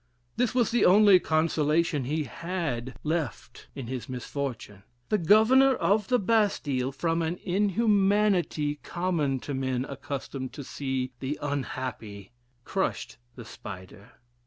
This was the only consolation he had left in his misfortune. The governor of the Bastile, from an inhumanity common to men accustomed to see the unhappy, crushed the spider.